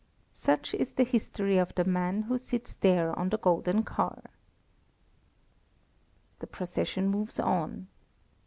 Such is the history of the man who sits there on the golden car. The procession moves on.